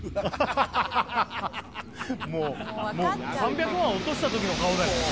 もう３００万落とした時の顔だよね。